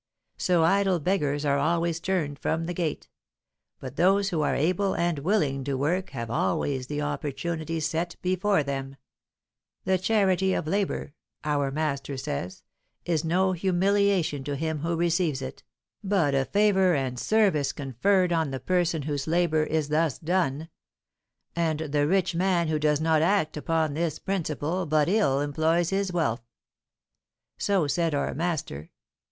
So idle beggars are always turned from the gate; but those who are able and willing to work have always the opportunity set before them: the charity of labour, our master says, is no humiliation to him who receives it, but a favour and service conferred on the person whose labour is thus done; and the rich man who does not act upon this principle but ill employs his wealth. So said our master.